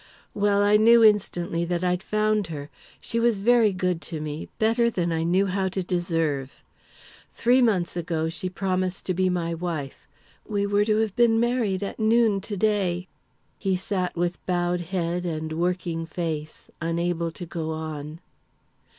"Well, I knew instantly that I'd found her. And she was very good to me better than I knew how to deserve. Three months ago, she promised to be my wife we were to have been married at noon to day " He sat with bowed head and working face, unable to go on.